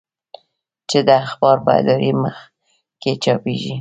چې د اخبار په اداري مخ کې چاپېږي.